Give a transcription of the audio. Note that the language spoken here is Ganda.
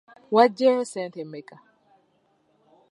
Wagyeyo ssente mmeka?